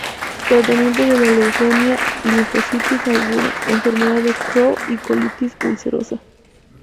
Tratamiento de la leucemia linfocítica aguda, enfermedad de Crohn y colitis ulcerosa.